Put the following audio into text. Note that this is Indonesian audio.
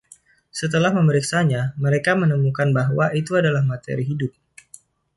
Setelah memeriksanya, mereka menemukan bahwa itu adalah materi hidup.